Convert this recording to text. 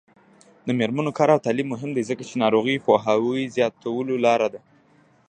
د میرمنو کار او تعلیم مهم دی ځکه چې ناروغیو پوهاوي زیاتولو لاره ده.